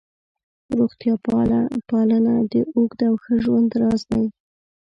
روغتیا پالنه د اوږد او ښه ژوند راز دی.